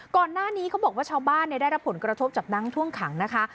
ก่อนหน้านี้เขาบอกว่าชาวบ้านได้รับผลกระทบจากน้ำท่วมขังนะคะ